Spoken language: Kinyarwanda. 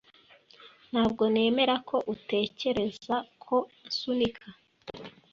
Ntabwo nemera ko utekereza ko nsunika